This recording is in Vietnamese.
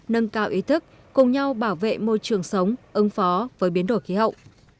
nâng cao ý thức cùng nhau bảo vệ môi trường sống ứng phó với biến đổi khí hậu